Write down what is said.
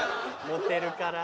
モテるから。